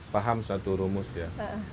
paham satu rumus ya